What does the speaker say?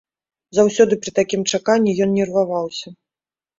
Заўсёды пры такім чаканні ён нерваваўся.